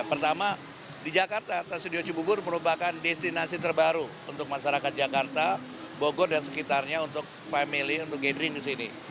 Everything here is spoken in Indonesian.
pertama di jakarta trans studio cibubur merupakan destinasi terbaru untuk masyarakat jakarta bogor dan sekitarnya untuk family untuk gathering di sini